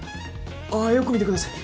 あよく見てください。